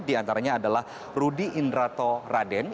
di antaranya adalah rudy indrato raden